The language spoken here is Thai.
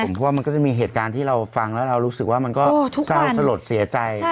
เพราะว่ามันก็จะมีเหตุการณ์ที่เราฟังแล้วเรารู้สึกว่ามันก็เศร้าสลดเสียใจ